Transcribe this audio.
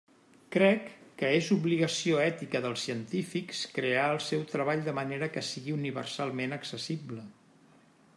Crec que és obligació ètica dels científics crear el seu treball de manera que sigui universalment accessible.